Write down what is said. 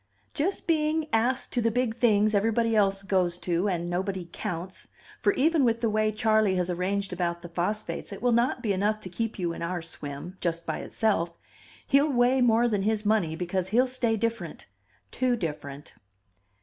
"Just being asked to the big things everybody goes to and nobody counts. For even with the way Charley has arranged about the phosphates, it will not be enough to keep you in our swim just by itself. He'll weigh more than his money, because he'll stay different too different."